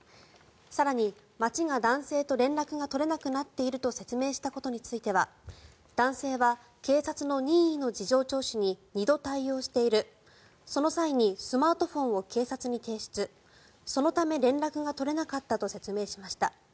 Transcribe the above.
更に、町が男性と連絡が取れなくなっていると説明したことについては男性は警察の任意の事情聴取に２度対応しているその際にスマートフォンを警察に提出そのため連絡が取れなかったと説明しました。